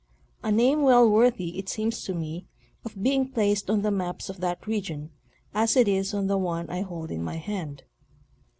A name well worthy, it seems to me, of being placed on the maps of that region, as it is on the one I hold in my hand.